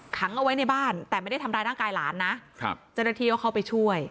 ขังเอาไว้ในบ้านแต่ไม่ได้ทำร้ายร่างกายหลานนะครับเจ้าหน้าที่ก็เข้าไปช่วย